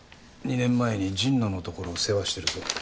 ２年前に神野のところを世話してるぞ。